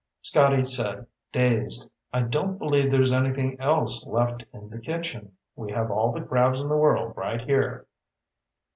Scotty said, dazed, "I don't believe there's anything else left in the kitchen. We have all the crabs in the world right here."